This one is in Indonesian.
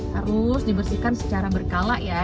harus dibersihkan secara berkala ya